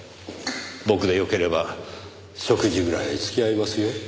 僕でよければ食事ぐらい付き合いますよ。